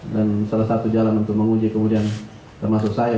dan salah satu jalan untuk menguji kemudian termasuk saya